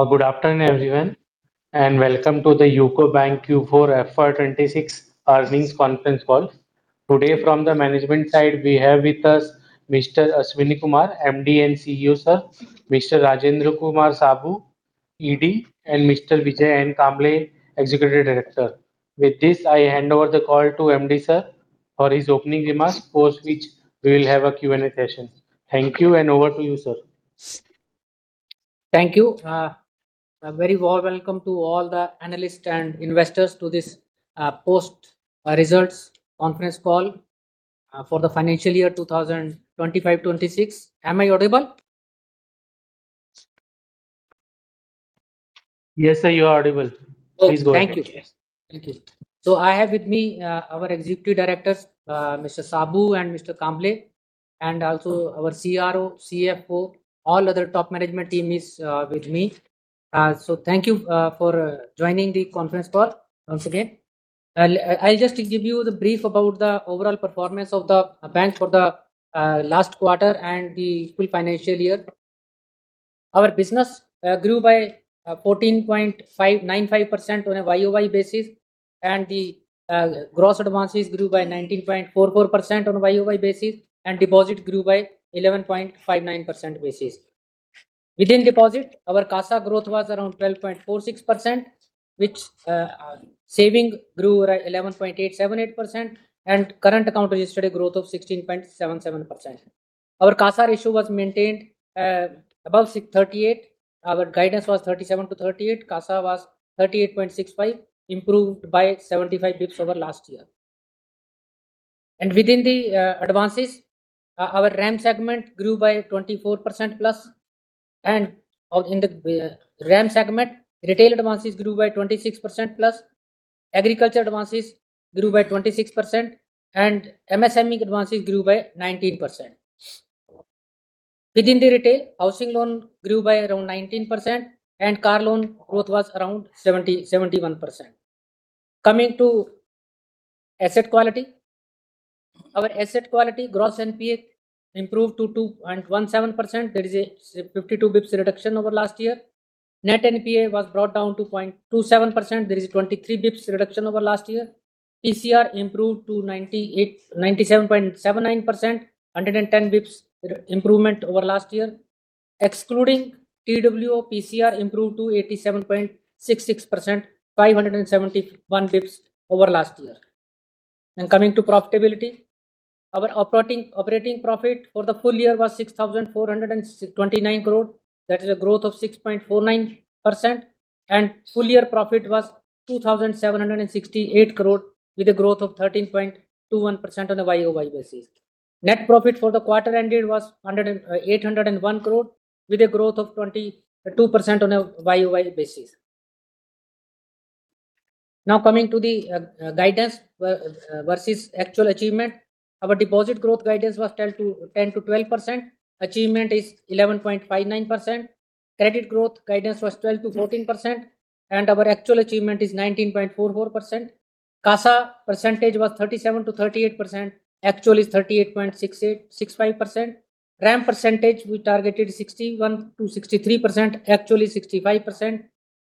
Good afternoon, everyone, and welcome to the UCO Bank Q4 FY 2026 earnings conference call. Today from the management side we have with us Mr. Ashwani Kumar, MD and CEO, sir, Mr. Rajendra Kumar Saboo, ED, and Mr. Vijaykumar Nivrutti Kamble, executive director. With this, I hand over the call to MD, sir, for his opening remarks, post which we will have a Q&A session. Thank you, and over to you, sir. Thank you. A very warm welcome to all the analysts and investors to this post-results conference call for the financial year 2025-26. Am I audible? Yes, sir. You are audible. Please go ahead. Thank you. I have with me our executive directors, Mr. Saboo and Mr. Kamble, and also our CRO, CFO. All other top management team is with me. Thank you for joining the conference call once again. I'll just give you the brief about the overall performance of the bank for the last quarter and the full financial year. Our business grew by 14.59% on a YOY basis, and the gross advances grew by 19.44% on a YOY basis, and deposits grew by 11.59% basis. Within deposits, our CASA growth was around 12.46%, which savings grew at 11.878%, and current account registered a growth of 16.77%. Our CASA ratio was maintained above 38. Our guidance was 37-38. CASA was 38.65, improved by 75 basis points over last year. Within the advances, our RAM segment grew by 24%+, and in the RAM segment, retail advances grew by 26%+, agriculture advances grew by 26%, and MSME advances grew by 19%. Within the retail, housing loan grew by around 19%, and car loan growth was around 71%. Coming to asset quality. Our asset quality, gross NPA improved to 2.17%. There is a 52 basis points reduction over last year. Net NPA was brought down to 0.27%. There is 23 basis points reduction over last year. PCR improved to 97.79%, 110 basis points improvement over last year. Excluding TWO, PCR improved to 87.66%, 571 bps over last year. Coming to profitability. Our operating profit for the full year was 6,429 crore. That is a growth of 6.49%. Full year profit was 2,768 crore with a growth of 13.21% on a YOY basis. Net profit for the quarter ended was 801 crore with a growth of 22% on a YOY basis. Now coming to the guidance versus actual achievement. Our deposit growth guidance was 10%-12%. Achievement is 11.59%. Credit growth guidance was 12%-14%, and our actual achievement is 19.44%. CASA percentage was 37%-38%. Actual is 38.65%. RAM percentage, we targeted 61%-63%. Actually, 65%.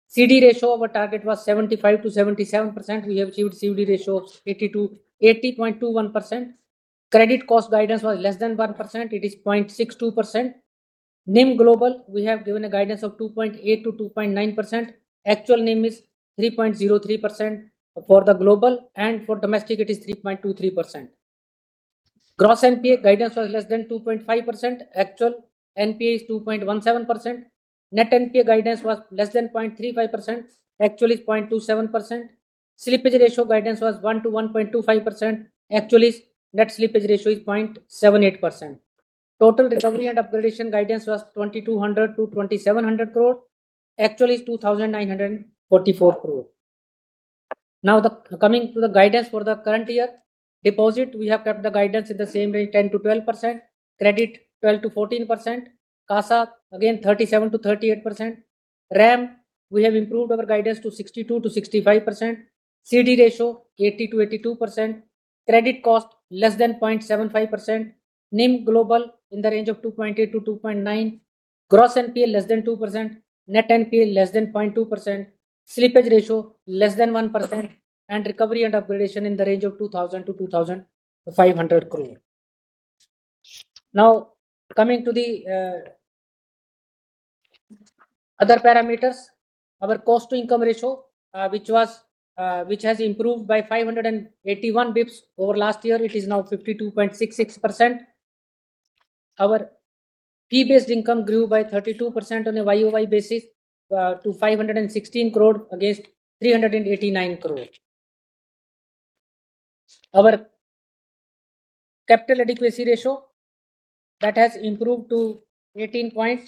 CD ratio, our target was 75%-77%. We have achieved CD ratio 80%-80.21%. Credit cost guidance was less than 1%. It is 0.62%. NIM global, we have given a guidance of 2.8%-2.9%. Actual NIM is 3.03% for the global, and for domestic it is 3.23%. Gross NPA guidance was less than 2.5%. Actual NPA is 2.17%. Net NPA guidance was less than 0.35%. Actual is 0.27%. Slippage ratio guidance was 1%-1.25%. Actual is, net slippage ratio is 0.78%. Total recovery and upgradation guidance was 2,200-2,700 crore. Actual is 2,944 crore. Now, coming to the guidance for the current year. Deposit, we have kept the guidance in the same range, 10%-12%. Credit, 12%-14%. CASA, again, 37%-38%. RAM, we have improved our guidance to 62%-65%. CD ratio, 80%-82%. Credit cost, less than 0.75%. NIM global in the range of 2.8-2.9. Gross NPA less than 2%. Net NPA less than 0.2%. Slippage ratio less than 1%. Recovery and upgradation in the range of 2,000-2,500 crore. Now, coming to the other parameters. Our cost to income ratio, which has improved by 581 basis points over last year. It is now 52.66%. Our fee-based income grew by 32% on a YOY basis to 516 crore against 389 crore. Our capital adequacy ratio, that has improved to 18.61%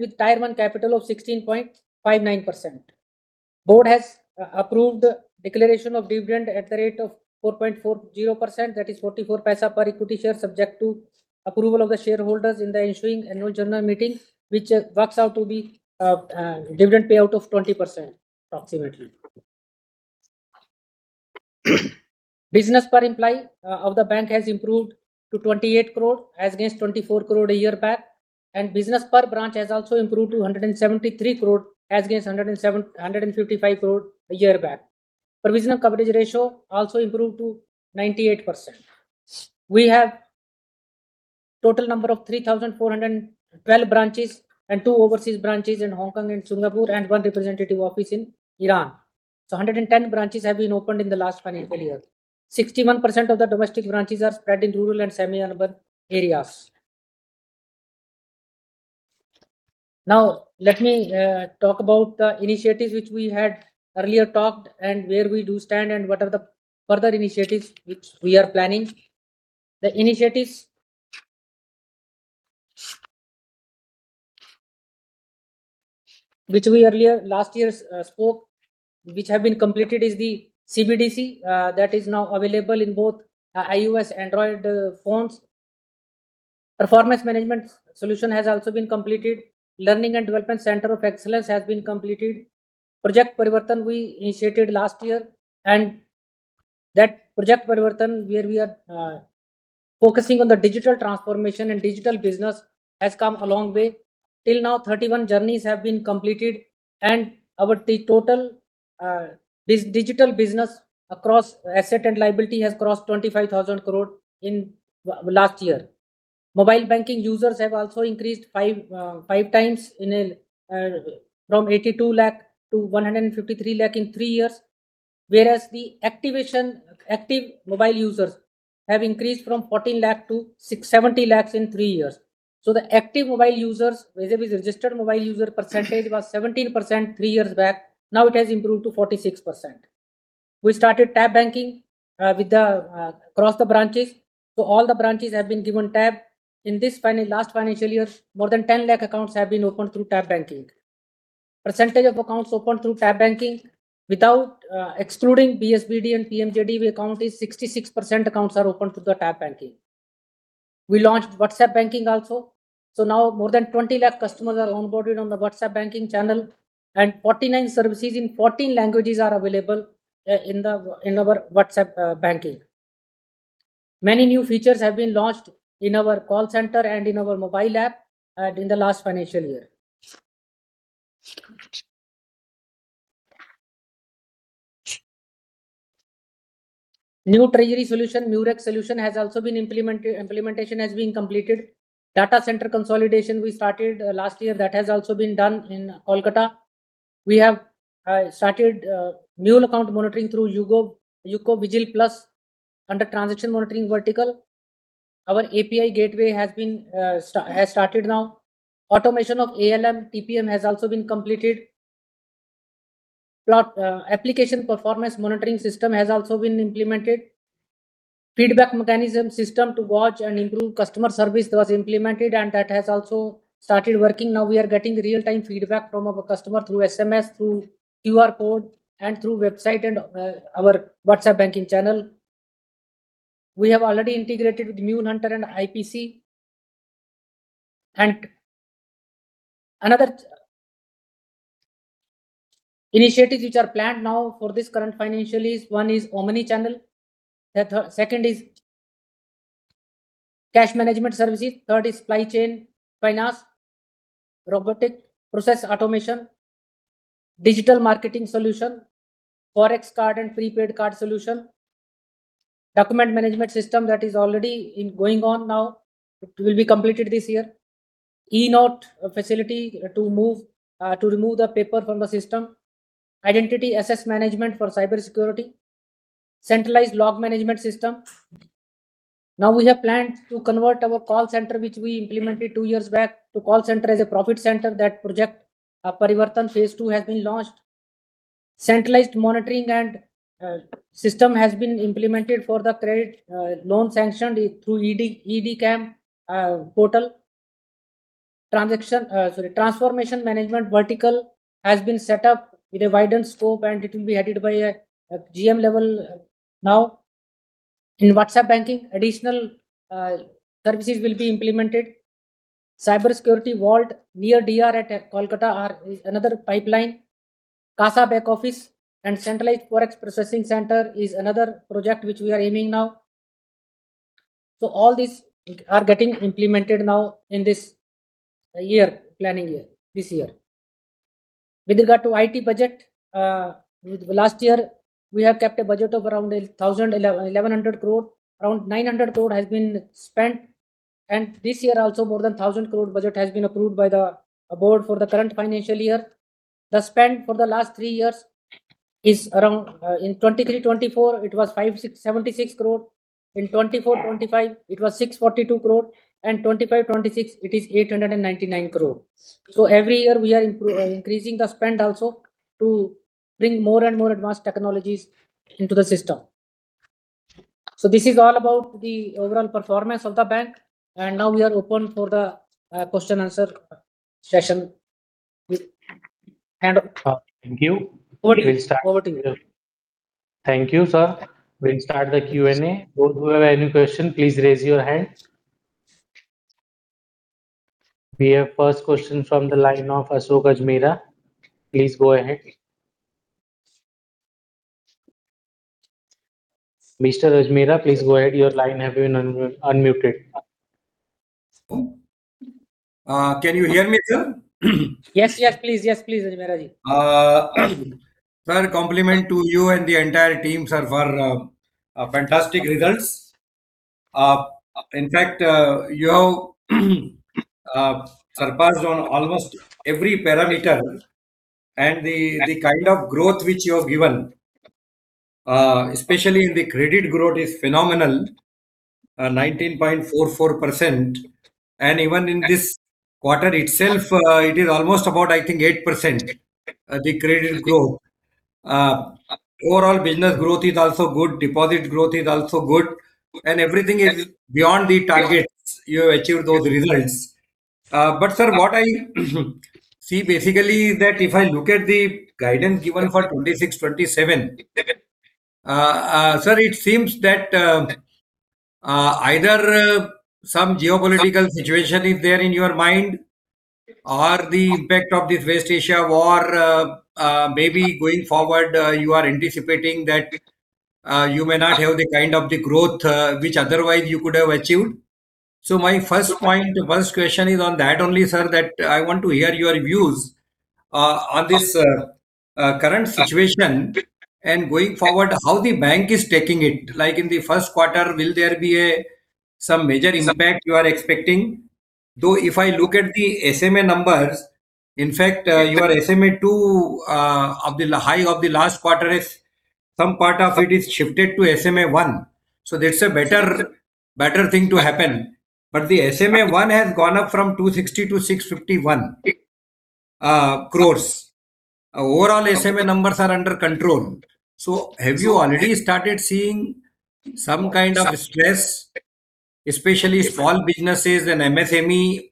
with Tier 1 capital of 16.59%. Board has approved declaration of dividend at the rate of 4.40%. That is 44 paisa per equity share, subject to approval of the shareholders in the ensuing annual general meeting, which works out to be dividend payout of 20% approximately. Business per employee of the bank has improved to 28 crore as against 24 crore a year back, and business per branch has also improved to 173 crore as against 155 crore a year back. Provision coverage ratio also improved to 98%. We have total number of 3,412 branches and two overseas branches in Hong Kong and Singapore, and one representative office in Iran. 110 branches have been opened in the last financial year. 61% of the domestic branches are spread in rural and semi-urban areas. Now, let me talk about the initiatives which we had earlier talked and where we do stand and what are the further initiatives which we are planning. The initiatives which we last year spoke, which have been completed, is the CBDC. That is now available in both iOS, Android phones. Performance management solution has also been completed. Learning and Development Center of Excellence has been completed. Project Parivartan we initiated last year, and that Project Parivartan, where we are focusing on the digital transformation and digital business, has come a long way. Till now, 31 journeys have been completed, and the total digital business across asset and liability has crossed 25,000 crore in last year. Mobile banking users have also increased 5 times from 82 lakh to 153 lakh in 3 years. Active mobile users have increased from 14 lakh to 70 lakh in three years. The active mobile users, whether it is registered mobile user percentage was 17% three years back. Now it has improved to 46%. We started tab banking across the branches. All the branches have been given tab. In this last financial year, more than 10 lakh accounts have been opened through tab banking. Percentage of accounts opened through tab banking without excluding BSBD and PMJDY account is 66% accounts are open through the tab banking. We launched WhatsApp banking also. Now more than 20 lakh customers are onboarded on the WhatsApp banking channel, and 49 services in 14 languages are available in our WhatsApp banking. Many new features have been launched in our call center and in our mobile app in the last financial year. New treasury solution, Murex solution, implementation has been completed. Data center consolidation we started last year. That has also been done in Kolkata. We have started multi account monitoring through UCO Vigil Plus under transaction monitoring vertical. Our API gateway has started now. Automation of ALM, TPM has also been completed. Application performance monitoring system has also been implemented. Feedback mechanism system to watch and improve customer service was implemented and that has also started working. Now we are getting real-time feedback from our customer through SMS, through QR code, and through website and our WhatsApp banking channel. We have already integrated with MuleSoft Anypoint Platform and IPC. Another initiatives which are planned now for this current financial is, one is omnichannel. The second is cash management services. Third is supply chain finance, robotic process automation, digital marketing solution, Forex card and prepaid card solution, document management system that is already going on now. It will be completed this year. E-note facility to move to remove the paper from the system. Identity and access management for cybersecurity. Centralized log management system. Now we have planned to convert our call center, which we implemented two years back, to call center as a profit center. That Project Parivartan phase two has been launched. Centralized monitoring and system has been implemented for the credit loan sanctioned through EDCAM portal. Transformation management vertical has been set up with a widened scope, and it will be headed by a GM level now. In WhatsApp banking, additional services will be implemented. Cybersecurity vault near DR at Kolkata is another pipeline. CASA back office and centralized Forex processing center is another project which we are aiming now. All these are getting implemented now in this year, planning year, this year. With regard to IT budget, with last year, we have kept a budget of around 1,100 crore. Around 900 crore has been spent. This year also more than 1,000 crore budget has been approved by the board for the current financial year. The spend for the last three years is around, in 2023, 2024 it was 56 crore- INR 76 crore. In FY 2024- FY 2025 it was INR 642 crore, and FY 2025- FY 2026 it is 899 crore. Every year we are increasing the spend also to bring more and more advanced technologies into the system. This is all about the overall performance of the bank, and now we are open for the question-and-answer session with- Thank you. Over to you. We'll start. Thank you, sir. We'll start the Q&A. Those who have any question, please raise your hand. We have first question from the line of Ashok Ajmera. Please go ahead. Mr. Ajmera, please go ahead. Your line have been unmuted. Can you hear me, sir? Yes, please. Yes, please, Ajmera Ji. Sir, compliments to you and the entire team, sir, for fantastic results. In fact, you have surpassed on almost every parameter and the kind of growth which you have given, especially in the credit growth is phenomenal, 19.44%. Even in this quarter itself, it is almost about, I think, 8%, the credit growth. Overall business growth is also good, deposit growth is also good, and everything is beyond the targets. You have achieved those results. Sir, what I see basically is that if I look at the guidance given for 2026, 2027, sir, it seems that either some geopolitical situation is there in your mind or the impact of this West Asia war, maybe going forward, you are anticipating that you may not have the kind of growth which otherwise you could have achieved. My first point, first question is on that only, sir, that I want to hear your views on this current situation and going forward, how the bank is taking it. Like in the first quarter, will there be some major impact you are expecting? Though if I look at the SMA numbers, in fact, your SMA 2 of the high of the last quarter is some part of it is shifted to SMA 1, so that's a better thing to happen. The SMA 1 has gone up from 260 crore to 651 crore. Overall SMA numbers are under control. Have you already started seeing some kind of stress, especially small businesses and MSME,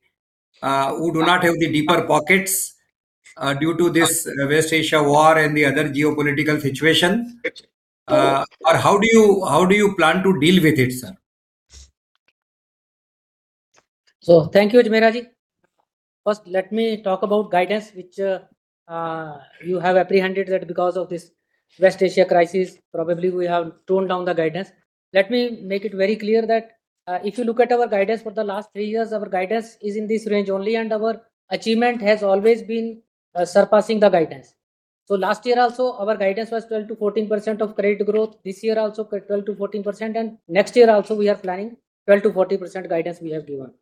who do not have the deeper pockets, due to this West Asia war and the other geopolitical situation? How do you plan to deal with it, sir? Thank you, Ashok Ajmera Ji. First, let me talk about guidance, which you have apprehended that because of this West Asia crisis, probably we have toned down the guidance. Let me make it very clear that if you look at our guidance for the last three years, our guidance is in this range only, and our achievement has always been surpassing the guidance. Last year also, our guidance was 12%-14% of credit growth. This year also, 12%-14%, and next year also we are planning 12%-14% guidance we have given.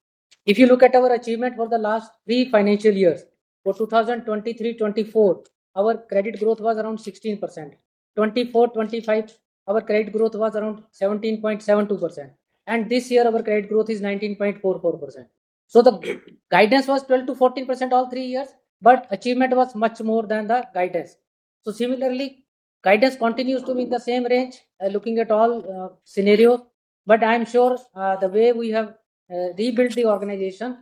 If you look at our achievement for the last three financial years, for 2023-24, our credit growth was around 16%. 2024-2025, our credit growth was around 17.72%. This year, our credit growth is 19.44%. The guidance was 12%-14% all three years, but achievement was much more than the guidance. Similarly, guidance continues to be in the same range, looking at all scenarios. I am sure, the way we have rebuilt the organization,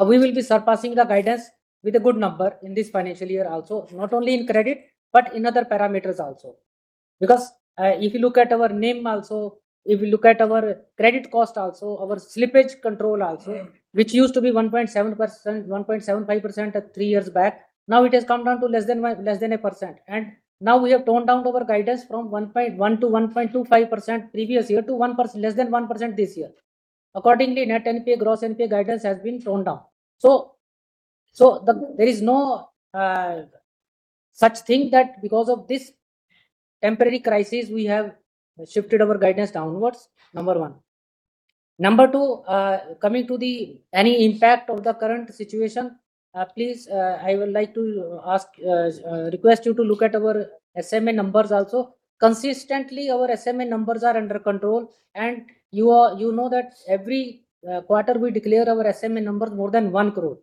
we will be surpassing the guidance with a good number in this financial year also, not only in credit, but in other parameters also. If you look at our NIM also, if you look at our credit cost also, our slippage control also, which used to be 1.7%, 1.75% three years back. Now it has come down to less than 1%, less than 1%. Now we have toned down our guidance from 1.1%-1.25% previous year to 1%, less than 1% this year. Accordingly, net NPA, gross NPA guidance has been toned down. There is no such thing that because of this temporary crisis, we have shifted our guidance downwards, number one. Number two, coming to any impact of the current situation, please, I would like to request you to look at our SMA numbers also. Consistently, our SMA numbers are under control and you know that every quarter we declare our SMA numbers more than 1 crore.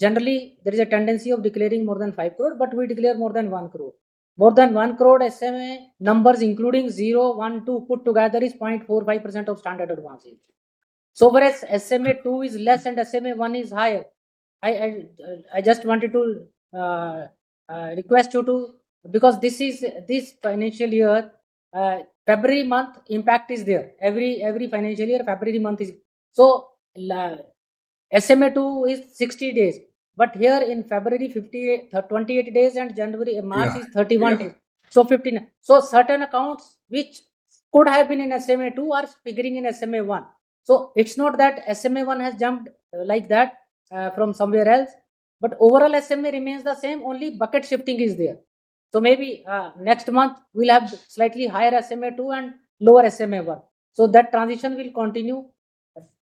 Generally, there is a tendency of declaring more than 5 crore, but we declare more than 1 crore. More than 1 crore SMA numbers including zero, one, two, put together is 0.45% of standard advances. Whereas SMA two is less and SMA one is higher. I just wanted to request you to because this is this financial year February month impact is there. Every financial year February month is. SMA two is 60 days, but here in February 28 days and January, March is 31 days. Yeah. 59. Certain accounts which could have been in SMA 2 are figuring in SMA 1. It's not that SMA 1 has jumped like that from somewhere else. But overall SMA remains the same, only bucket shifting is there. Maybe next month we'll have slightly higher SMA 2 and lower SMA 1. That transition will continue.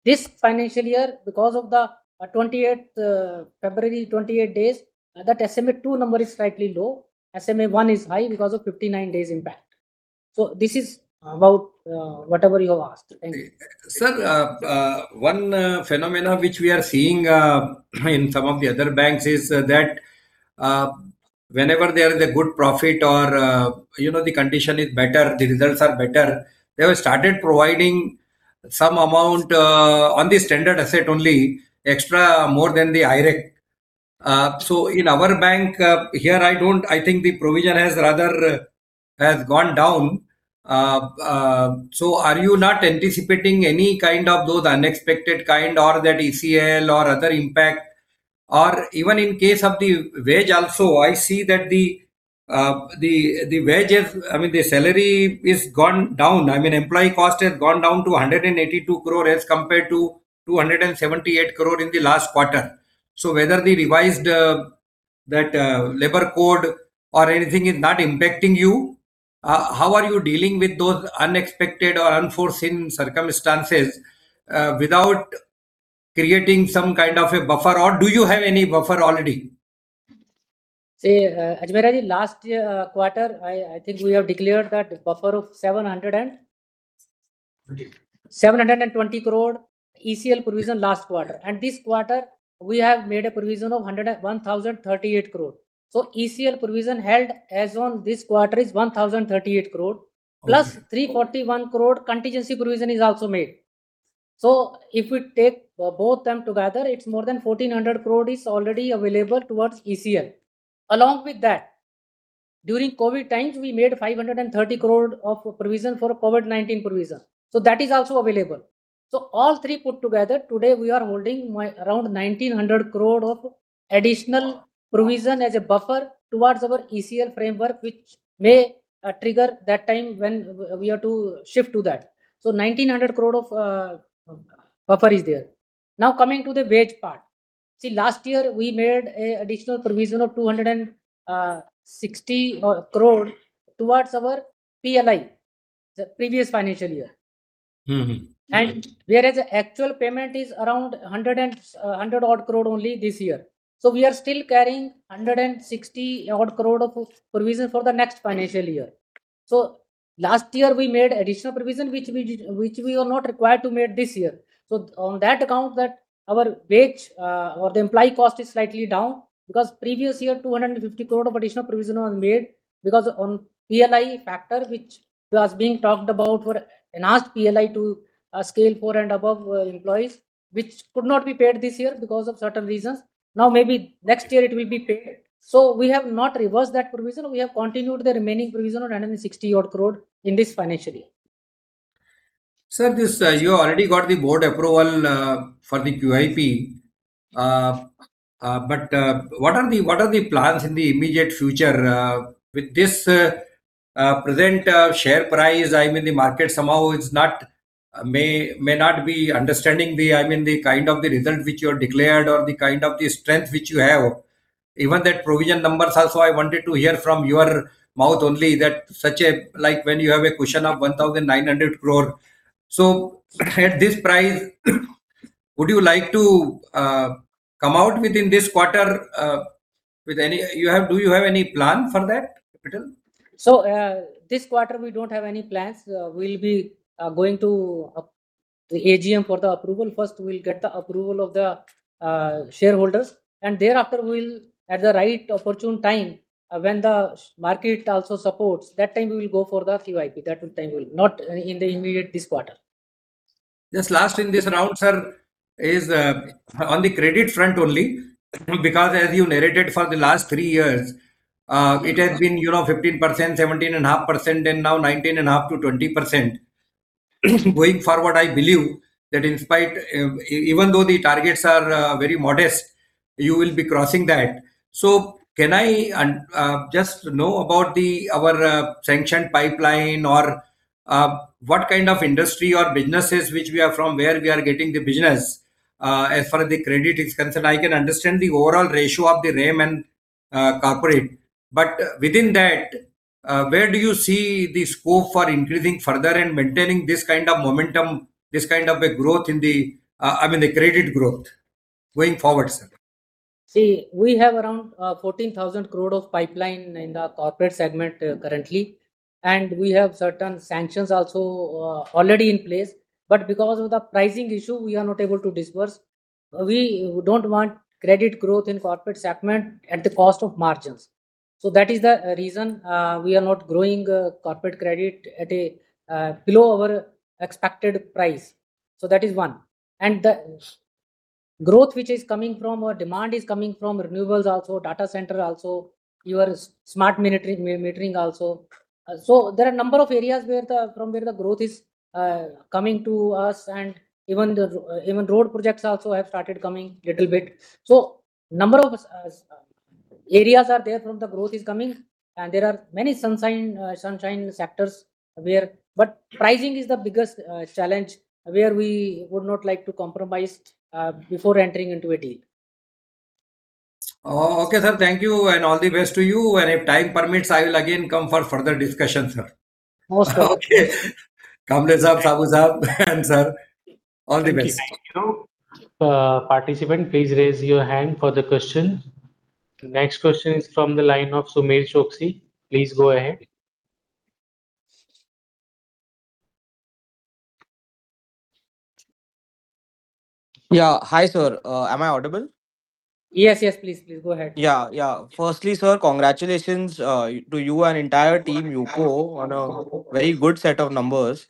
This financial year, because of the 28th February, 28 days, that SMA 2 number is slightly low. SMA 1 is high because of 59 days impact. This is about whatever you have asked. Thank you. Sir, one phenomenon which we are seeing in some of the other banks is that whenever there is a good profit or, you know, the condition is better, the results are better, they have started providing some amount on the standard asset only, extra more than the IRAC, so in our bank, here I think the provision has rather gone down. So are you not anticipating any kind of those unexpected kind or that ECL or other impact? Or even in case of the wage also, I see that the wage is, I mean, the salary is gone down. I mean, employee cost has gone down to 182 crore as compared to 278 crore in the last quarter. Whether the revised labor code or anything is not impacting you, how are you dealing with those unexpected or unforeseen circumstances without creating some kind of a buffer, or do you have any buffer already? See, Ajmera Ji, last year quarter, I think we have declared that buffer of 700 crore and- 20 crore. 720 crore ECL provision last quarter. This quarter, we have made a provision of 318 crore. ECL provision held as on this quarter is 1,038 crore plus 341 crore contingency provision is also made. If we take both them together, it's more than 1,400 crore is already available towards ECL. Along with that, during COVID times, we made 530 crore of provision for COVID-19 provision, so that is also available. All three put together, today we are holding around 1,900 crore of additional provision as a buffer towards our ECL framework, which may trigger that time when we are to shift to that. 1,900 crore of buffer is there. Now, coming to the wage part. See, last year we made an additional provision of 260 crore towards our PLI, the previous financial year. Mm-hmm. Mm-hmm. Whereas the actual payment is around 100 crore only this year. We are still carrying 160 crore of provision for the next financial year. Last year we made additional provision which we are not required to make this year. On that account, our wage or the employee cost is slightly down because previous year, 250 crore of additional provision was made because on PLI factor, which was being talked about for enhanced PLI to scale four and above employees, which could not be paid this year because of certain reasons. Now maybe next year it will be paid. We have not reversed that provision. We have continued the remaining provision of 160 crore in this financial year. Sir, this, you already got the board approval for the QIP. What are the plans in the immediate future with this present share price? I mean, the market somehow is not may not be understanding the, I mean, the kind of the result which you have declared or the kind of the strength which you have. Even that provision numbers also, I wanted to hear from your mouth only that such a, like when you have a cushion of 1,900 crore. So at this price, would you like to come out within this quarter with any. Do you have any plan for that capital? This quarter we don't have any plans. We'll be going to put up the AGM for the approval. First, we'll get the approval of the shareholders, and thereafter we'll, at the right opportune time, when the share market also supports, that time we will go for the QIP. That time we'll not in the immediate this quarter. Just last in this round, sir, is on the credit front only. Because as you narrated for the last three years, it has been, you know, 15%, 17.5%, and now 19.5%-20%. Going forward, I believe that in spite of even though the targets are very modest, you will be crossing that. Can I just know about our sanction pipeline or what kind of industry or businesses which we are from, where we are getting the business as far as the credit exposure? I can understand the overall ratio of the RAM and corporate. But within that, where do you see the scope for increasing further and maintaining this kind of momentum, this kind of a growth in the, I mean the credit growth going forward, sir? We have around 14,000 crore of pipeline in the corporate segment currently, and we have certain sanctions also already in place. Because of the pricing issue, we are not able to disburse. We don't want credit growth in corporate segment at the cost of margins. That is the reason we are not growing corporate credit at below our expected price. That is one. The growth which is coming, or demand is coming from renewables also, data center also, smart metering also. There are a number of areas from where the growth is coming to us and even road projects also have started coming little bit. A number of areas from where the growth is coming and there are many sunrise sectors where pricing is the biggest challenge where we would not like to compromise before entering into a deal. Oh, okay, sir. Thank you, and all the best to you. If time permits, I will again come for further discussion, sir. Most welcome. Okay. Kamble sir, Saboo sir and sir, all the best. Okay, thank you. Participant, please raise your hand for the question. Next question is from the line of Sumit Choksey. Please go ahead. Yeah. Hi, sir. Am I audible? Yes, yes, please go ahead. Yeah, yeah. Firstly, sir, congratulations to you and entire team UCO. Thank you.... on a very good set of numbers.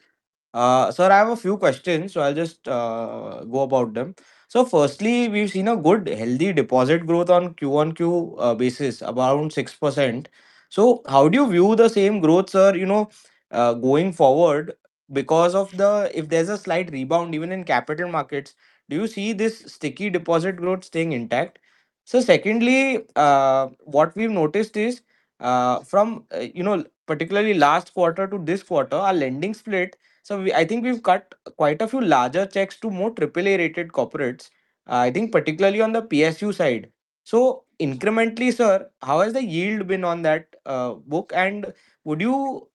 Sir, I have a few questions, I'll just go about them. Firstly, we've seen a good healthy deposit growth on Q-on-Q basis, around 6%. How do you view the same growth, sir, you know, going forward because if there's a slight rebound even in capital markets, do you see this sticky deposit growth staying intact? Secondly, what we've noticed is, from, you know, particularly last quarter to this quarter, our lending split, I think we've cut quite a few larger checks to more AAA rated corporates, I think particularly on the PSU side. Incrementally, sir, how has the yield been on that book? And would you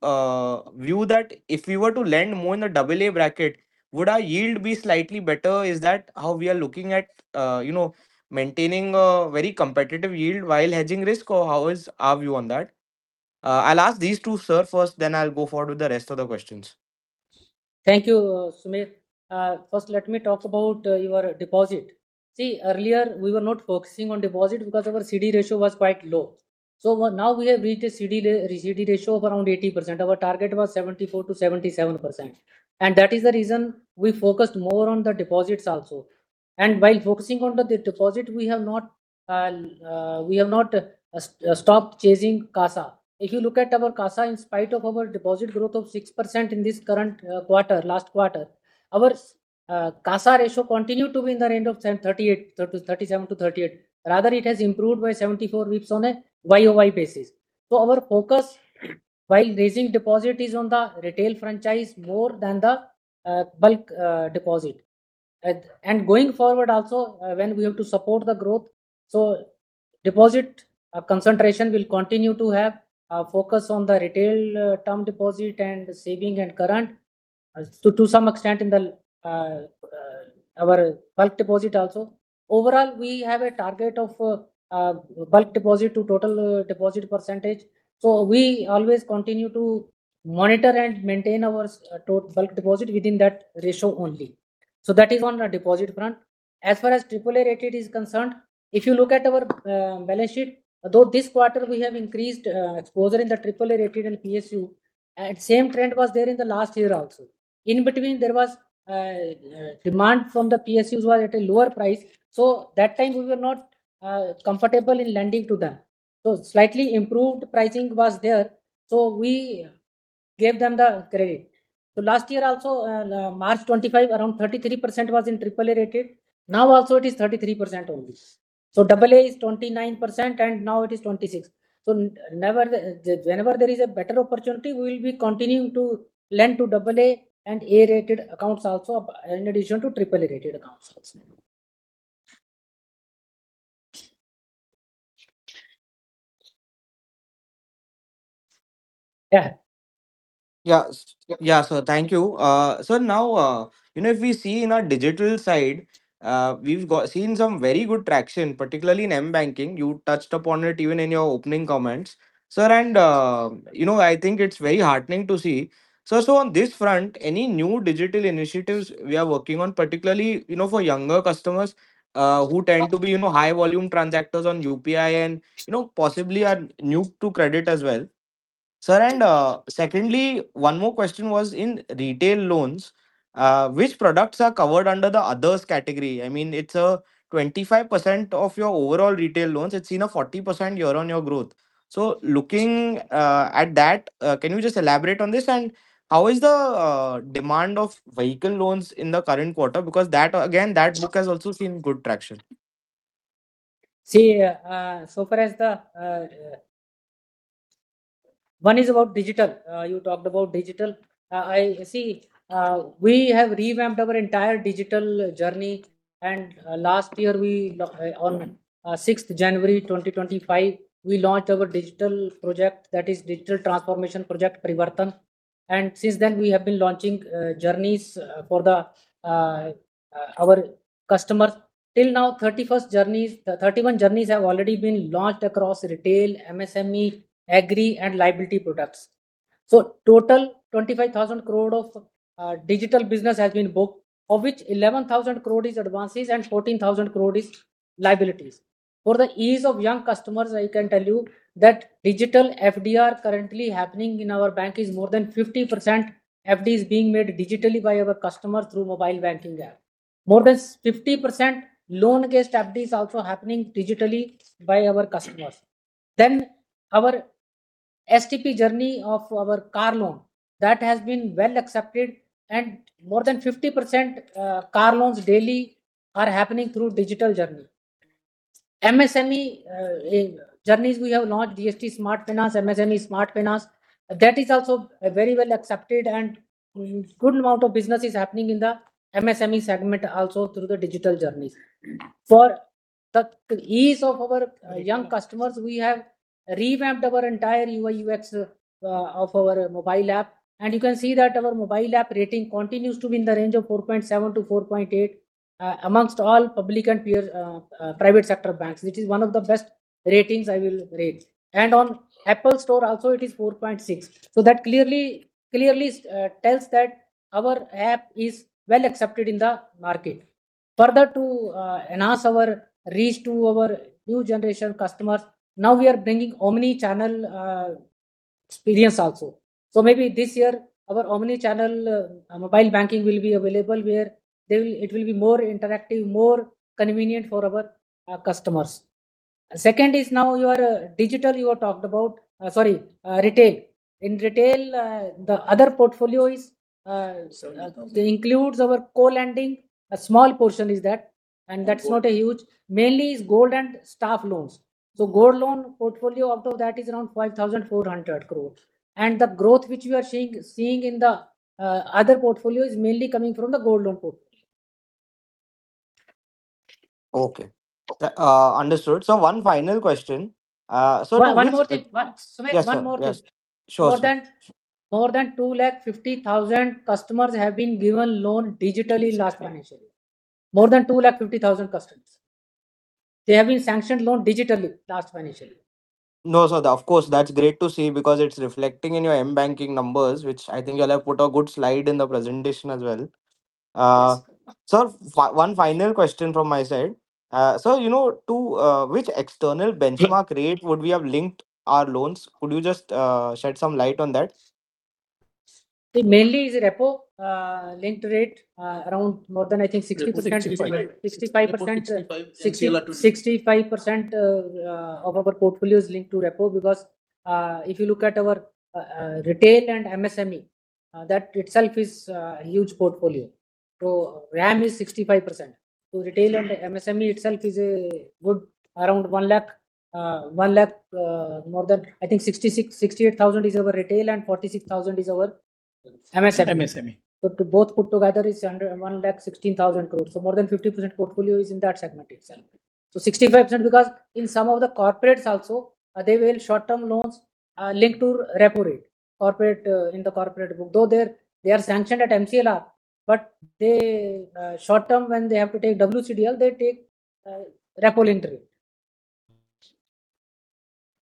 view that if we were to lend more in the AA bracket, would our yield be slightly better? Is that how we are looking at, you know, maintaining a very competitive yield while hedging risk, or how is our view on that? I'll ask these two, sir, first, then I'll go forward with the rest of the questions. Thank you, Sumit. First let me talk about your deposit. See, earlier, we were not focusing on deposit because our CD ratio was quite low. What now we have reached a CD ratio of around 80%, our target was 74%-77%. That is the reason we focused more on the deposits also. While focusing on the deposit, we have not stopped chasing CASA. If you look at our CASA, in spite of our deposit growth of 6% in this current quarter, last quarter, our CASA ratio continued to be in the range of thirty-seven to thirty-eight. Rather, it has improved by 74 basis points on a year-over-year basis. Our focus while raising deposit is on the retail franchise more than the bulk deposit. Going forward also, when we have to support the growth, deposit concentration will continue to have a focus on the retail term deposit and savings and current, to some extent in our bulk deposit also. Overall, we have a target of bulk deposit to total deposit percentage, so we always continue to monitor and maintain our total bulk deposit within that ratio only. That is on the deposit front. As far as AAA rated is concerned, if you look at our balance sheet, although this quarter we have increased exposure in the AAA rated and PSU, and same trend was there in the last year also. In between there was demand from the PSUs was at a lower price, so that time we were not comfortable in lending to them. Slightly improved pricing was there, so we gave them the credit. Last year also, March 25, around 33% was in AAA rated. Now also it is 33% only. AA is 29%, and now it is 26%. Nevertheless, whenever there is a better opportunity, we will be continuing to lend to AA and A rated accounts also, in addition to AAA rated accounts also. Yeah. Yeah, sir. Thank you. Sir, now, you know, if we see in our digital side, we've seen some very good traction, particularly in mBanking. You touched upon it even in your opening comments. Sir, you know, I think it's very heartening to see. Sir, so on this front, any new digital initiatives we are working on, particularly, you know, for younger customers, who tend to be, you know, high volume transactors on UPI and, you know, possibly are new to credit as well? Sir, and, secondly, one more question was in retail loans, which products are covered under the others category? I mean, it's 25% of your overall retail loans, it's seen a 40% year-on-year growth. So looking at that, can you just elaborate on this? How is the demand of vehicle loans in the current quarter? Because that, again, that book has also seen good traction. See, so far as the one is about digital, you talked about digital. We have revamped our entire digital journey, and last year, on sixth January 2025, we launched our digital project, that is digital transformation project, Parivartan. Since then we have been launching journeys for our customers. Till now, 31 journeys have already been launched across retail, MSME, agri and liability products. Total 25,000 crore of digital business has been booked, of which 11,000 crore is advances and 14,000 crore is liabilities. For the ease of young customers, I can tell you that digital FDR currently happening in our bank is more than 50% FD is being made digitally by our customers through mobile banking app. More than 50% loan against FD is also happening digitally by our customers. Our STP journey of our car loan has been well accepted and more than 50% car loans daily are happening through digital journey. MSME journeys we have launched GST Smart Finance, MSME Smart Finance, that is also very well accepted and good amount of business is happening in the MSME segment also through the digital journeys. For the ease of our young customers, we have revamped our entire UI, UX of our mobile app, and you can see that our mobile app rating continues to be in the range of 4.7-4.8 amongst all public and peer private sector banks. It is one of the best ratings I will rate. On Apple Store also it is 4.6. That clearly tells that our app is well accepted in the market. Further to enhance our reach to our new generation customers, now we are bringing omnichannel experience also. Maybe this year our omnichannel mobile banking will be available, where it will be more interactive, more convenient for our customers. Second is retail. In retail, the other portfolio is Sorry Includes our co-lending. A small portion is that, and that's not a huge. Mainly is gold and staff loans. Gold loan portfolio out of that is around 5,400 crores. The growth which we are seeing in the other portfolio is mainly coming from the gold loan portfolio. Okay. Understood. One final question. Now. One more thing. Yes, ma'am. Yes. Sumit, one more question. Sure, sure. More than 250,000 customers have been given loan digitally last financial year. More than 250,000 customers have been sanctioned loan digitally last financial year. No, sir, of course, that's great to see because it's reflecting in your mBanking numbers, which I think you'll have put a good slide in the presentation as well. Yes. Sir, one final question from my side. Sir, you know, to which external benchmark rate would we have linked our loans? Could you just shed some light on that? Mainly is repo linked rate around more than I think 60%. Repo, 60%. Right 65%. 65. MCLR to- 65% of our portfolio is linked to repo because if you look at our retail and MSME that itself is huge portfolio. RAM is 65%. Retail and MSME itself is a good around 1 lakh more than I think 66,000-68,000 is our retail and 46,000 is our MSME. MSME. To both put together is under 1,16,000 crore. More than 50% portfolio is in that segment itself. 65%, because in some of the corporates also, they have short-term loans linked to repo rate. In the corporate book, though they are sanctioned at MCLR, but short term when they have to take WCDL, they take repo-linked rate.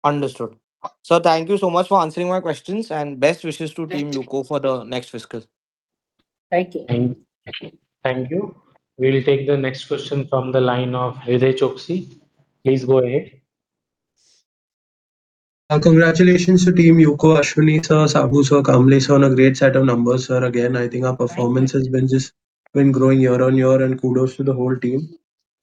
Understood. Sir, thank you so much for answering my questions and best wishes to team UCO for the next fiscal. Thank you. Thank you. Thank you. We'll take the next question from the line of Hriday Choksey. Please go ahead. Congratulations to team UCO, Ashwani sir, Saboo sir, Kamble sir, on a great set of numbers, sir. Again, I think our performance has been just growing year-over-year and kudos to the whole team.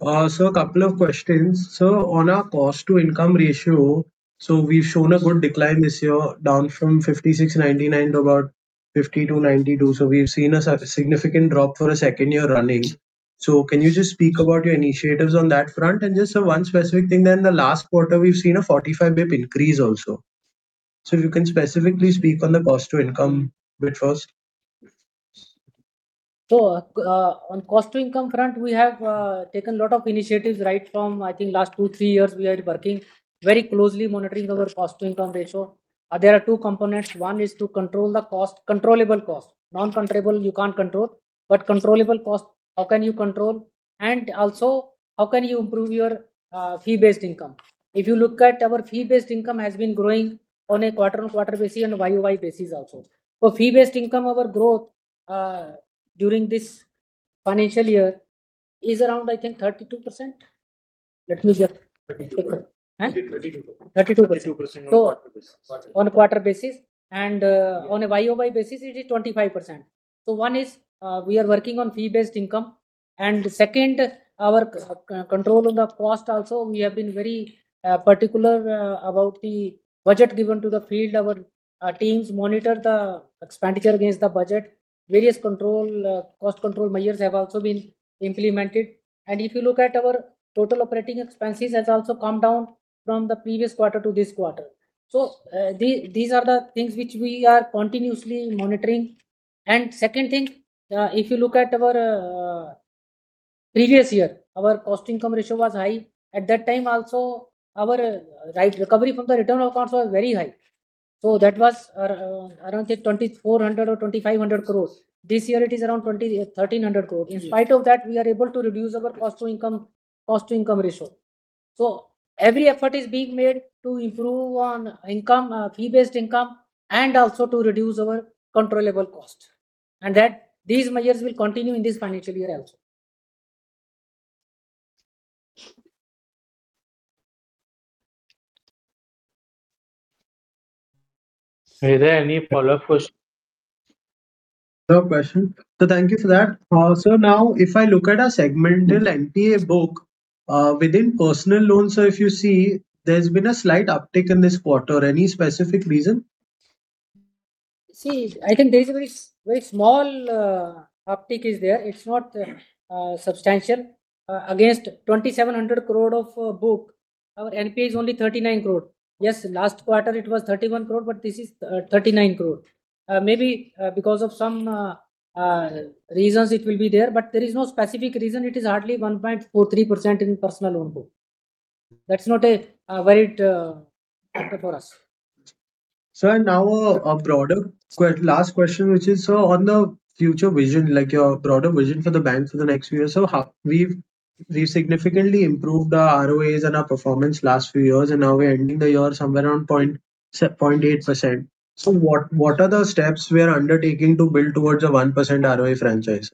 A couple of questions. On our cost to income ratio, so we've shown a good decline this year, down from 56.99% to about 52.92%. We've seen a significant drop for a second year running. Can you just speak about your initiatives on that front? Just one specific thing then, the last quarter we've seen a 45 basis points increase also. If you can specifically speak on the cost to income bit first. On cost to income front, we have taken lot of initiatives right from, I think, last two, three years we are working very closely monitoring our cost to income ratio. There are two components. One is to control the cost, controllable cost. Non-controllable, you can't control. Controllable cost, how can you control? How can you improve your fee-based income? If you look at our fee-based income has been growing on a quarter-on-quarter basis and YOY basis also. Fee-based income, our growth during this financial year is around, I think, 32%. 32. Huh? 32%. 32%. 32% on quarter basis. On a quarter-over-quarter basis. On a year-over-year basis it is 25%. One is we are working on fee-based income. Second, our control on the cost also, we have been very particular about the budget given to the field. Our teams monitor the expenditure against the budget. Various cost control measures have also been implemented. If you look at our total operating expenses has also come down from the previous quarter to this quarter. These are the things which we are continuously monitoring. Second thing, if you look at our previous year, our cost income ratio was high. At that time also, our recovery from the written-off accounts was very high. That was around, say, 2,400 or 2,500 crores. This year it is around 2,130 crores. Mm-hmm. In spite of that, we are able to reduce our cost to income, cost to income ratio. Every effort is being made to improve on income, fee-based income, and also to reduce our controllable cost. That these measures will continue in this financial year also. Hriday, any follow-up question? No question. Thank you for that. Sir, now if I look at our segmental NPA book, within personal loans, sir, if you see, there's been a slight uptick in this quarter. Any specific reason? See, I think there's a very small uptick. It's not substantial. Against 2,700 crore of book, our NPA is only 39 crore. Yes, last quarter it was 31 crore, but this is 39 crore. Maybe because of some reasons it will be there, but there is no specific reason. It is hardly 1.43% in personal loan book. That's not a worried factor for us. Sir, now last question, which is so on the future vision, like your broader vision for the bank for the next few years. How we've We've significantly improved our ROAs and our performance last few years, and now we're ending the year somewhere around 0.8%. What are the steps we are undertaking to build towards a 1% ROA franchise?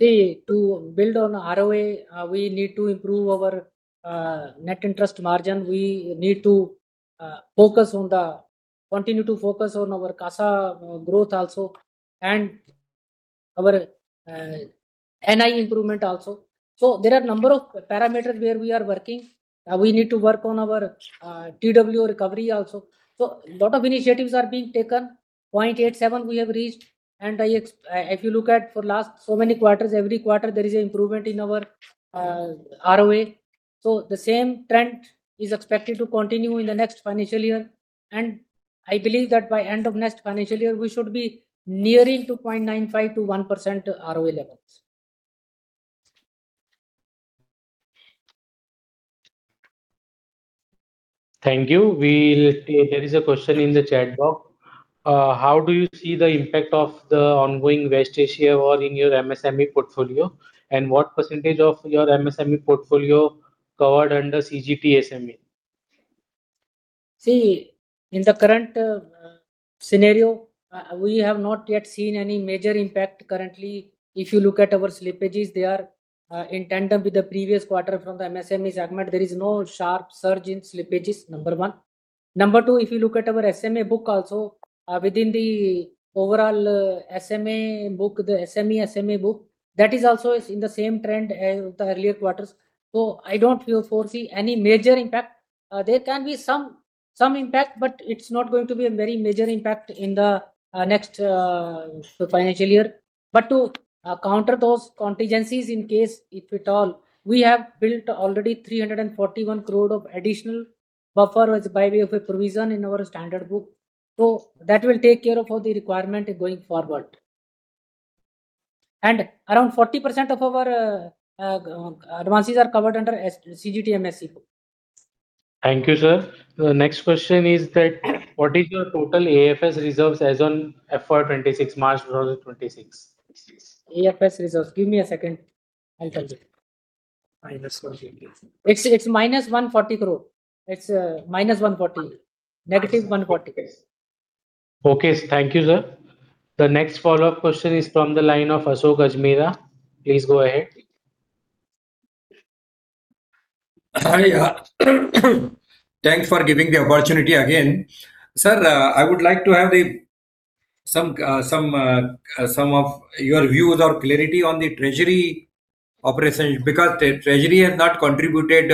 See, to build on ROA, we need to improve our net interest margin. We need to continue to focus on our CASA growth also and our NI improvement also. There are a number of parameters where we are working. We need to work on our TW recovery also. A lot of initiatives are being taken. We have reached 0.87%. If you look at the last so many quarters, every quarter there is improvement in our ROA. The same trend is expected to continue in the next financial year. I believe that by the end of next financial year, we should be nearing 0.95%-1% ROA levels. Thank you. There is a question in the chat box. How do you see the impact of the ongoing West Asia war in your MSME portfolio? And what percentage of your MSME portfolio covered under CGTMSE? See, in the current scenario, we have not yet seen any major impact currently. If you look at our slippages, they are in tandem with the previous quarter from the MSME segment. There is no sharp surge in slippages, number one. Number two, if you look at our SMA book also, within the overall SMA book, the SME SMA book, that is also in the same trend as the earlier quarters. I don't foresee any major impact. There can be some impact, but it's not going to be a very major impact in the next financial year. To counter those contingencies, in case if at all, we have built already 341 crore of additional buffer by way of a provision in our standard book. That will take care of all the requirement going forward. Around 40% of our advances are covered under CGTMSE. Thank you, sir. The next question is that what is your total AFS reserves as on FY 2026, March 2026? AFS reserves. Give me a second. I'll tell you. -48. It's -140 crore. It's -140 crore. -140 crore. Okay. Thank you, sir. The next follow-up question is from the line of Ashok Ajmera. Please go ahead. Hi. Thanks for giving the opportunity again. Sir, I would like to have some of your views or clarity on the treasury operation, because the treasury has not contributed,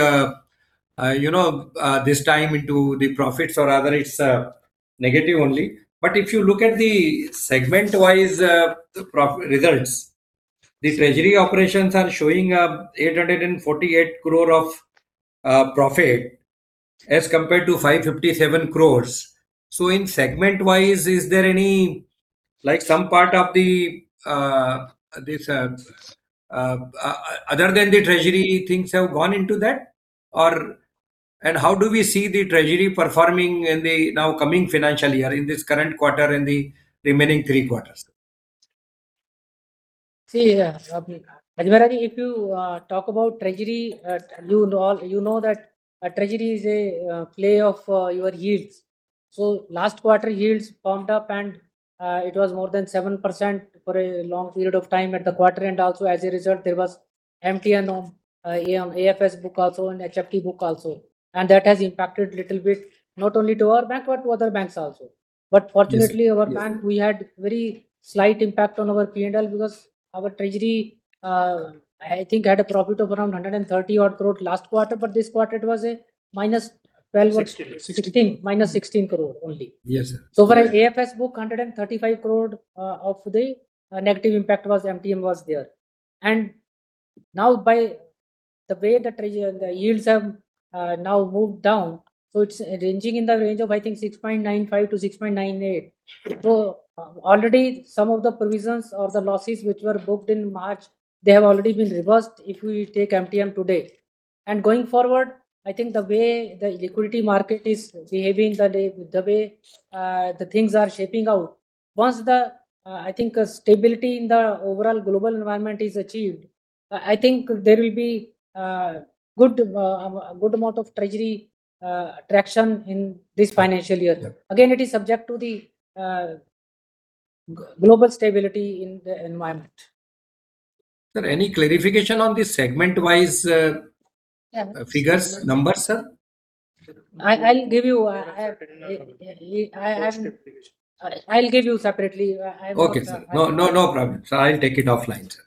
you know, this time into the profits or rather it's negative only. If you look at the segment-wise results, the treasury operations are showing 848 crore of profit as compared to 557 crore. In segment-wise, is there any, like, some part of this other than the treasury things have gone into that? Or, how do we see the treasury performing in the now coming financial year, in this current quarter and the remaining 3 quarters? See, Ajmera, if you talk about treasury, you know all, you know that a treasury is a play of your yields. Last quarter yields pumped up and it was more than 7% for a long period of time at the quarter, and also as a result, there was MTM on AFS book also and HFT book also. That has impacted little bit, not only to our bank, but to other banks also. Yes. Yes. Fortunately, our bank, we had very slight impact on our P&L because our treasury, I think had a profit of around 130 crore last quarter, but this quarter it was a minus 12- 16. -16 crore only. Yes, sir. For our AFS book, 135 crore of the negative impact was MTM there. Now by the way the yields have now moved down, so it's ranging in the range of, I think, 6.95%-6.98%. Already some of the provisions or the losses which were booked in March, they have already been reversed if we take MTM today. Going forward, I think the way the liquidity market is behaving today, the way the things are shaping out, once the stability in the overall global environment is achieved, I think there will be a good amount of treasury traction in this financial year. Yeah. Again, it is subject to the global stability in the environment. Sir, any clarification on the segment-wise? Yeah. Figures, numbers, sir? I'll give you separately. I have- Okay, sir. No problem. I'll take it offline, sir.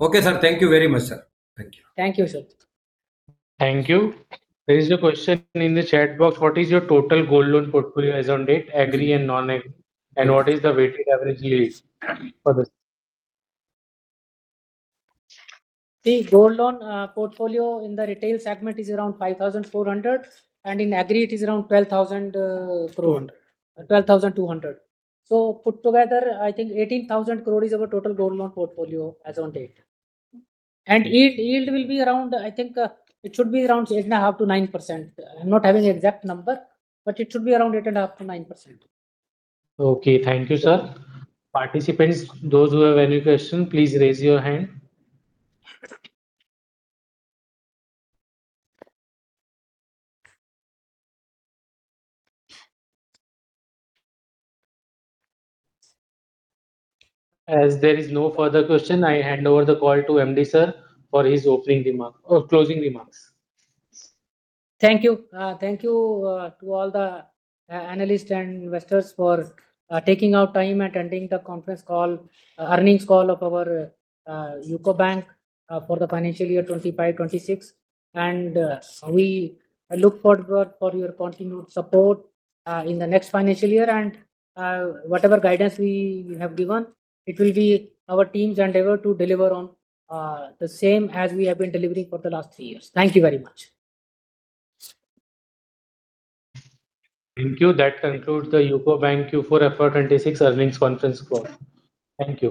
Okay, sir. Thank you very much, sir. Thank you. Thank you, sir. Thank you. There is a question in the chat box. What is your total gold loan portfolio as on date, Agri and non-Agri? And what is the weighted average yields for this? The gold loan portfolio in the Retail segment is around 5,400, and in Agri it is around 12,000. 200. Put together, I think 18,000 crore is our total gold loan portfolio as on date. Yield will be around, I think, it should be around 8.5%-9%. I'm not having the exact number, but it should be around 8.5%-9%. Okay. Thank you, sir. Participants, those who have any question, please raise your hand. As there is no further question, I hand over the call to MD sir for his opening remark or closing remarks. Thank you. Thank you to all the analysts and investors for taking the time attending the conference call, earnings call of our UCO Bank for the financial year 2025-2026. We look forward to your continued support in the next financial year. Whatever guidance you have given, it will be our team's endeavor to deliver on the same as we have been delivering for the last 3 years. Thank you very much. Thank you. That concludes the UCO Bank Q4 FY 2026 earnings conference call. Thank you.